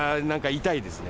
痛いですね。